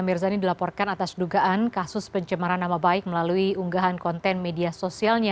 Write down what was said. mirzani dilaporkan atas dugaan kasus pencemaran nama baik melalui unggahan konten media sosialnya